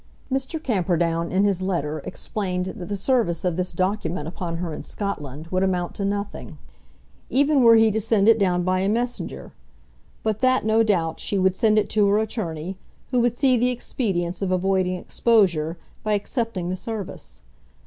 Mr. Camperdown in his letter explained that the service of this document upon her in Scotland would amount to nothing, even were he to send it down by a messenger; but that, no doubt, she would send it to her attorney, who would see the expedience of avoiding exposure by accepting the service.